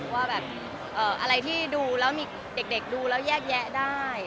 ว่าแบบอะไรที่ดูแล้วมีเด็กดูแล้วแยกแยะได้